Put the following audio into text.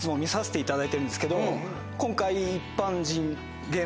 今回。